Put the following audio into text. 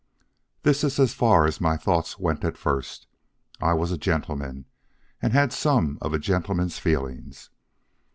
This is as far as my thoughts went at first. I was a gentleman and had some of a gentleman's feelings.